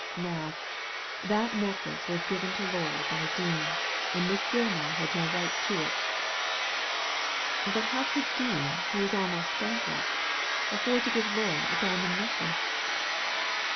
Now, that neck lace was given to Laura by Dean, and Miss Gilmar had no right to it" " But how could Dean, who was almost bankrupt; afford to give Laura a diamond necklace